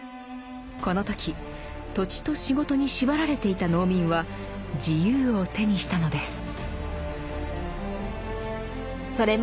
この時土地と仕事に縛られていた農民は「自由」を手にしたのです。